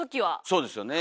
そうですよね。